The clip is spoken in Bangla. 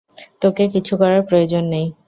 তোকে কিছু করার প্রয়োজন নেই।